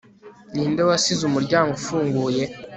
ninde wasize umuryango ufunguye